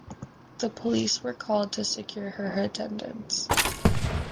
The police were called to secure her attendance.